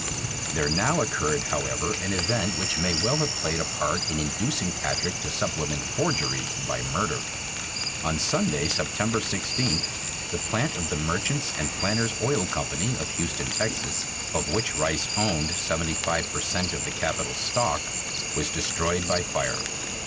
There now occurred, however, an event which may well have played a part in inducing Patrick to supplement forgery by murder. On Sunday, September 16th, the plant of the Merchants' and Planters' Oil Company of Houston, Texas, of which Rice owned seventy five per cent. of the capital stock, was destroyed by fire.